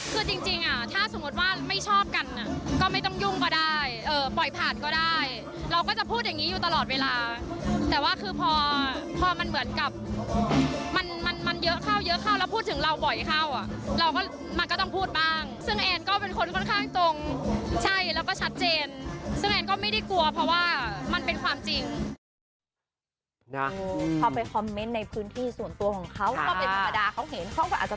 คือจริงอ่ะถ้าสมมุติว่าไม่ชอบกันอ่ะก็ไม่ต้องยุ่งก็ได้ปล่อยผ่านก็ได้เราก็จะพูดอย่างนี้อยู่ตลอดเวลาแต่ว่าคือพอพอมันเหมือนกับมันมันเยอะเข้าเยอะเข้าแล้วพูดถึงเราบ่อยเข้าอ่ะเราก็มันก็ต้องพูดบ้างซึ่งแอนก็เป็นคนค่อนข้างตรงใช่แล้วก็ชัดเจนซึ่งแอนก็ไม่ได้กลัวเพราะว่ามันเป็นความจริงเขาก็อาจจะ